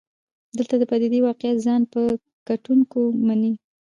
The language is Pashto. دلته د پدیدې واقعیت ځان په کتونکو مني.